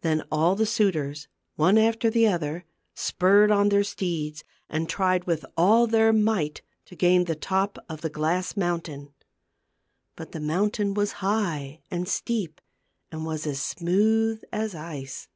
Then all the suitors, one after the other, spurred on their steeds, and tried with all their might to gain the top of the glass mountain. But the mountain was high and steep, and was as smooth as ice.